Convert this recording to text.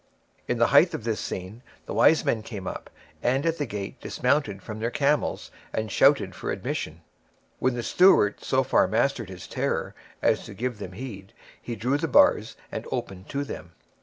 In the height of this scene, the wise men came up, and at the gate dismounted from their camels, and shouted for admission. When the steward so far mastered his terror as to give them heed, he drew the bars and opened to them.